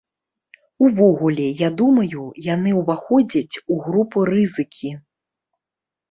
Увогуле, я думаю, яны ўваходзяць у групу рызыкі.